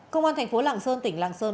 công an thành phố lạng sơn tỉnh lạng sơn